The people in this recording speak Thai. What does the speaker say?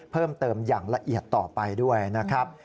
เพิ่มเติมอย่างละเอียดต่อไปด้วยนะครับ